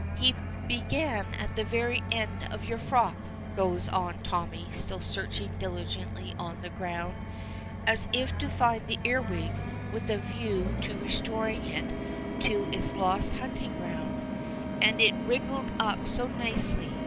"He began at the very end of your frock," goes on Tommy, still searching diligently on the ground, as if to find the earwig, with a view to restoring it to its lost hunting ground; "and it wriggled up so nicely.